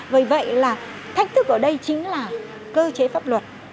bởi vậy là thách thức ở đây chính là cơ chế pháp luật